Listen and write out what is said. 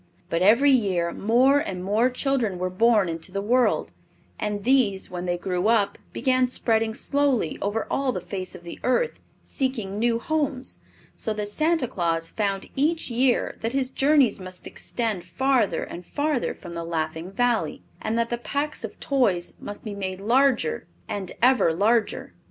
But every year more and more children were born into the world, and these, when they grew up, began spreading slowly over all the face of the earth, seeking new homes; so that Santa Claus found each year that his journeys must extend farther and farther from the Laughing Valley, and that the packs of toys must be made larger and ever larger.